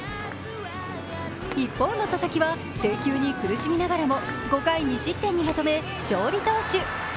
一方の佐々木は制球に苦しみながらも５回２失点にまとめ、勝利投手。